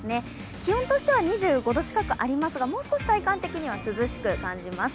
気温としては２５度近くありますが、もう少し体感的には涼しく感じます。